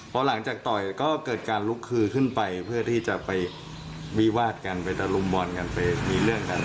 พอหลังจากต่อยก็เกิดการลุกคือขึ้นไปเพื่อที่จะไปวิวาดกันไปตะลุมบอลกันไปมีเรื่องกัน